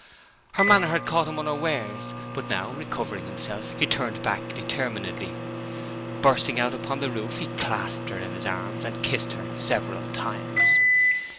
Her manner had caught him unawares; but now recovering himself he turned back determinedly. Bursting out upon the roof he clasped her in his arms, and kissed her several times.